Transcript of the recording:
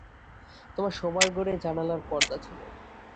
তোমার শোবার ঘরে জানালায় পর্দা ছিল?